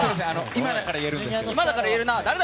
今だから言えるんですけど誰だ！